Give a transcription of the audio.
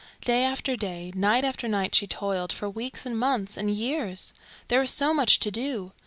Day after day, night after night she toiled, for weeks and months and years. There was so much to do!